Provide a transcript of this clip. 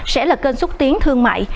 sẽ là kênh xuất tiến thương mại